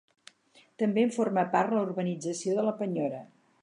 També en forma part la urbanització de la Penyora.